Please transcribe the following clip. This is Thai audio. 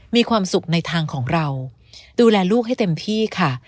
มีความสุขในทางของเราดูแลลูกให้เต็มที่ค่ะ